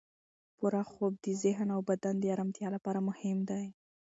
پوره خوب د ذهن او بدن د ارامتیا لپاره مهم دی.